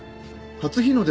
初日の出？